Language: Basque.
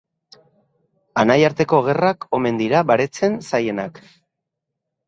Anaiarteko gerrak omen dira baretzen zailenak.